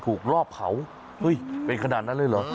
รอบเผาเฮ้ยเป็นขนาดนั้นเลยเหรอ